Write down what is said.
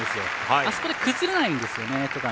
あそこで崩れないんです、戸上。